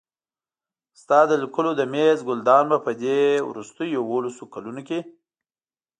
ستا د لیکلو د مېز ګلدان به په دې وروستیو یوولسو کلونو کې.